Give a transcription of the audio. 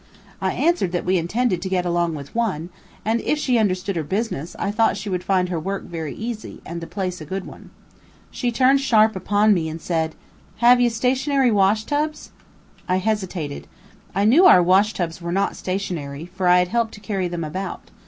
I answered that we intended to get along with one, and if she understood her business, I thought she would find her work very easy, and the place a good one. She turned sharp upon me and said: "Have ye stationary wash tubs?" I hesitated. I knew our wash tubs were not stationary, for I had helped to carry them about.